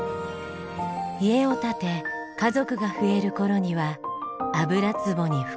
家を建て家族が増える頃には「油壺に福留あり」。